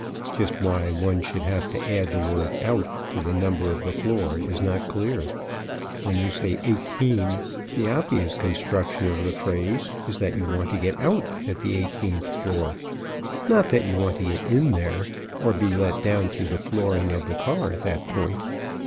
(Just why one should have to add the word "out" to the number of the floor is not clear. When you say "eighteen" the obvious construction of the phrase is that you want to get out at the eighteenth floor, not that you want to get in there or be let down through the flooring of the car at that point.